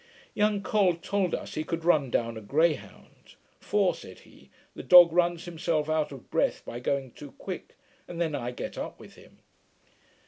Young Col told us he could run down a greyhound; 'for,' said he, 'the dog runs himself out of breath, by going too quick, and then I get up with him.'